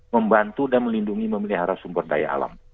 membantu dan melindungi memelihara sumber daya alam